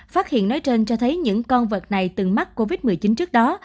phát hiện nói trên cho thấy những con vật này từng mắc covid một mươi chín trước đó